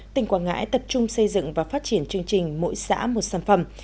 tỉnh quảng ngãi tập trung xây dựng và phát triển chương trình mỗi xã một sản phẩm